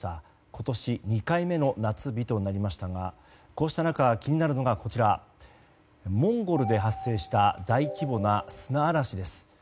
今年２回目の夏日となりましたがこうした中、気になるのがモンゴルで発生した大規模な砂嵐です。